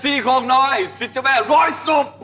สี่โคน้อยสิร์ชนะแม่ร้อยสุพ